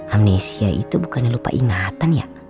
amnesia itu bukannya lupa ingatan ya